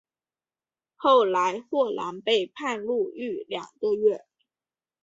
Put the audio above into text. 后来霍兰被判入狱两个月。